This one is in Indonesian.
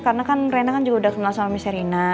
karena kan rena juga udah kenal sama miss irina